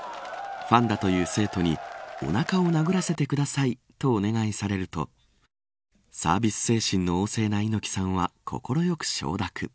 ファンだという生徒におなかを殴らせてくださいとお願いされるとサービス精神の旺盛な猪木さんは快く承諾。